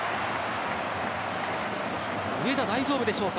上田、大丈夫でしょうか。